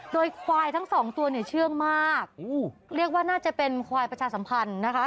โดยควายทั้งสองตัวเนี่ยเชื่องมากเรียกว่าน่าจะเป็นควายประชาสัมพันธ์นะคะ